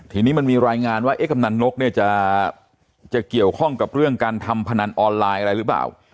ทีนี้มันมีรายงานว่ากำนันนกเนี่ยจะเกี่ยวข้องกับเรื่องการทำพนันออนไลน์อะไรหรือเปล่า